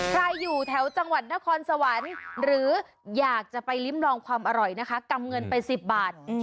อยู่แถวจังหวัดนครสวรรค์หรืออยากจะไปลิ้มลองความอร่อยนะคะกำเงินไป๑๐บาท